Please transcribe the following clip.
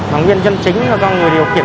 nó nguyên chân chính là do người điều khiển